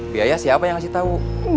biaya siapa yang ngasih tahu